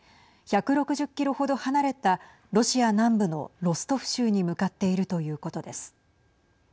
１６０キロほど離れたロシア南部のロストフ州に向かっているということです。